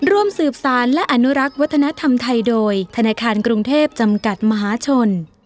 ร่วมสืบสารและอนุรักษ์วัฒนธรรมไทยโดยธนาคารกรุงเทพจำกัดมหาชน